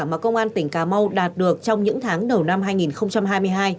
mà công an tỉnh cà mau đạt được trong những tháng đầu năm hai nghìn hai mươi hai